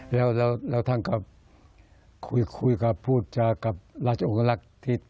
เราทั้งคุยกับพูดจากราชองค์ฮรักษ์